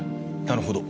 なるほど。